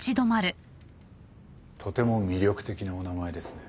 とても魅力的なお名前ですね。